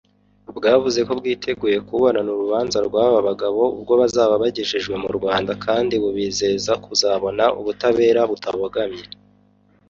Bwavuze ko bwiteguye kuburana urubanza rw’aba bagabo ubwo bazaba bagejejwe mu Rwanda kandi bubizeza kuzabona ubutabera butabogamye